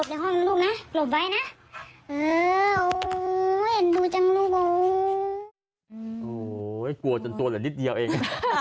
โอ้โฮกลัวจนตัวเหลือนิดเดียวเอง